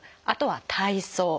あとは体操。